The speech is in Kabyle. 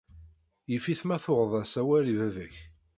Yif-it ma tuɣeḍ-as awal i baba-k.